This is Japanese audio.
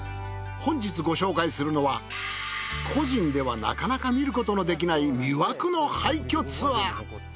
本日ご紹介するのは個人ではなかなか見ることのできない魅惑の廃墟ツアー。